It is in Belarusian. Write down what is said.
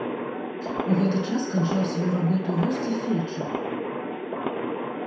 У гэты час канчаў сваю работу ў вёсцы фельчар.